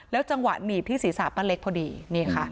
จังหวะหนีบที่ศีรษะป้าเล็กพอดีนี่ค่ะ